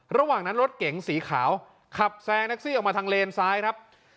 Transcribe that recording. ระหว่างนั้นรถเก๋งสีขาวขับแซงแท็กซี่ออกมาทางเลนซ้ายครับ